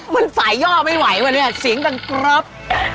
มันสายย่อไม่ไหววะเนี่ยเสียงดังกรอบ